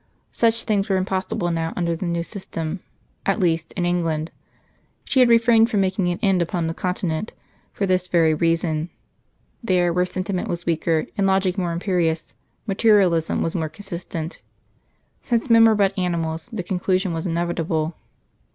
Such things were impossible now under the new system at least, in England. She had refrained from making an end upon the Continent for this very reason. There, where sentiment was weaker, and logic more imperious, materialism was more consistent. Since men were but animals the conclusion was inevitable.